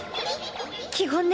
基本ね。